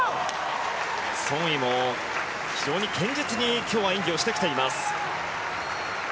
ソン・イも非常に堅実に今日は演技をしてきています。